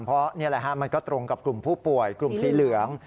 เพราะนี่แหละฮะมันก็ตรงกับกลุ่มผู้ป่วยกลุ่มสีเหลือง